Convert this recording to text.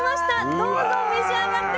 どうぞ召し上がって下さい。